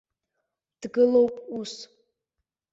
Дгылоуп ус!